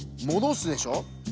もどすでしょ？